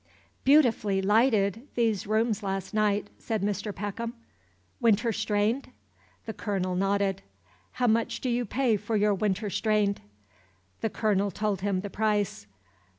"Beautifully lighted, these rooms last night!" said Mr. Peckham. "Winter strained?" The Colonel nodded. "How much do you pay for your winter strained?" The Colonel told him the price.